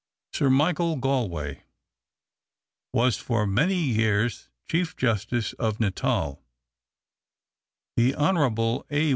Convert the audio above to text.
Sir Michael Gallwey was for many years Chief Justice of Natal; the Hon. A.